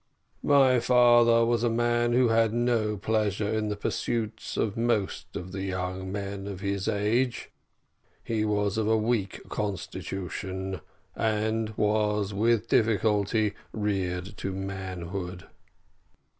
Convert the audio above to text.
My father was a man who had no pleasure in the pursuits of most young men of his age; he was of a weakly constitution, and was with difficulty reared to manhood.